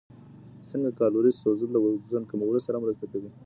څنګه کالوري سوځول د وزن کمولو سره مرسته کوي؟